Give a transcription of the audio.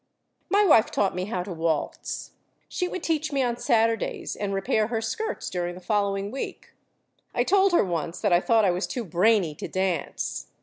My wife taught me how to waltz. She would teach me on Saturdays and repair her skirts during the following week. I told her once that I thought I was too brainy to dance.